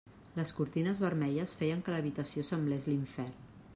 Les cortines vermelles feien que l'habitació semblés l'infern.